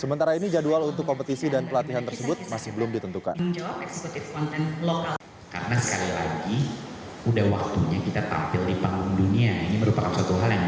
sementara ini jadwal untuk kompetisi dan pelatihan tersebut masih belum ditentukan